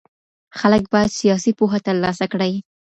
خلګ بايد سياسي پوهه ترلاسه کړي.